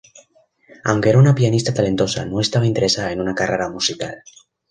Aunque era una pianista talentosa, no estaba interesada en una carrera musical.